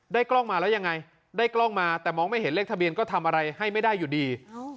กล้องมาแล้วยังไงได้กล้องมาแต่มองไม่เห็นเลขทะเบียนก็ทำอะไรให้ไม่ได้อยู่ดี